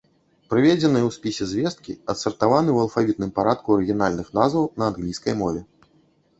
Прыведзеныя ў спісе звесткі адсартаваны ў алфавітным парадку арыгінальных назваў на англійскай мове.